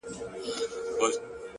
مثبت فکر د شکونو ورېځې خوروي،